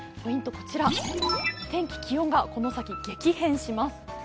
こちら、天気・気温がこの先、激変します。